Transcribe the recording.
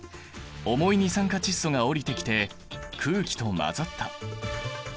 重い二酸化窒素が下りてきて空気と混ざった。